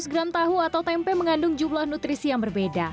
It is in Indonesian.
seratus gram tahu atau tempe mengandung jumlah nutrisi yang berbeda